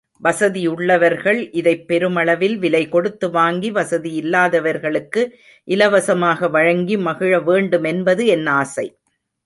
வசதியுள்ளவர்கள் இதைப் பெருமளவில் விலை கொடுத்து வாங்கி வசதியில்லாதவர்களுக்கு இலவசமாக வழங்கி மகிழ வேண்டுமென்பது என் ஆசை.